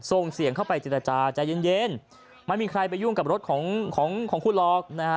ส่งเสียงเข้าไปเจรจาใจเย็นไม่มีใครไปยุ่งกับรถของของคุณหรอกนะฮะ